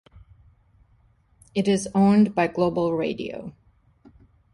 It is owned by Global Radio.